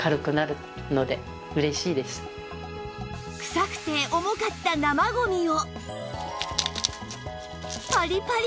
臭くて重かった生ゴミを